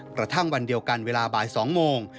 กระทั่งวันเดียวกันเวลาบ่าย๒โมง